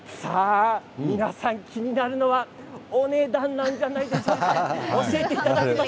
皆さん気になるのは、お値段なんじゃないかと思います。